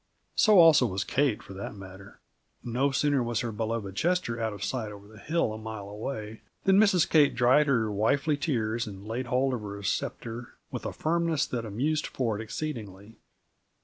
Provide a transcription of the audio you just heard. So also was Kate, for that matter. No sooner was her beloved Chester out of sight over the hill a mile away, than Mrs. Kate dried her wifely tears and laid hold of her scepter with a firmness that amused Ford exceedingly.